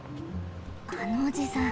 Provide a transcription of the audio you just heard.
あのおじさん